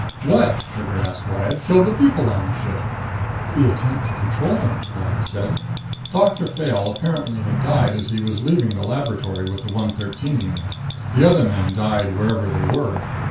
"What," Trigger asked Lyad, "killed the people on the ship?" "The attempt to control them," Lyad said. Doctor Fayle apparently had died as he was leaving the laboratory with the 113 unit. The other men died wherever they were.